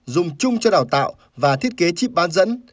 dùng chung cho đào tạo và thiết kế chip bán dẫn